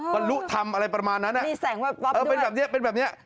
บรรลุธรรมอะไรประมาณนั้นนะมีแสงวอบด้วยเป็นแบบนี้เป็นแบบนี้